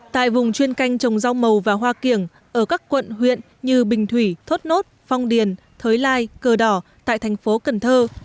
tại vùng chuyên canh trồng rau màu và hoa kiểng ở các quận huyện như bình thủy thốt nốt phong điền thới lai cờ đỏ tại thành phố cần thơ